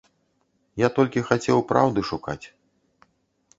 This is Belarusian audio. Я толькі хацеў праўды шукаць.